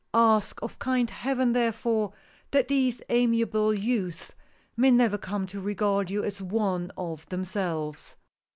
Ask of kind Heaven, therefore, that these amiable youths may never come to regard you as one of themselves.